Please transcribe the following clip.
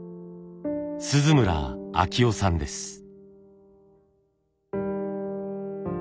鈴村昭夫さんです。